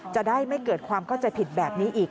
จะได้ไม่เกิดความเข้าใจผิดแบบนี้อีก